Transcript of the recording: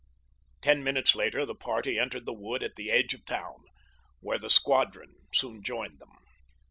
Ten minutes later the party entered the wood at the edge of town, where the squadron soon joined them.